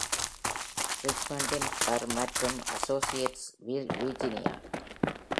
ரிச்மண்டின் Burr மற்றும் associates, Virginia